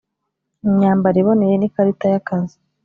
imyambaro iboneye n’ikarita y’akazi